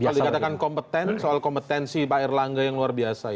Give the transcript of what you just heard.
kalau dikatakan kompeten soal kompetensi pak erlangga yang luar biasa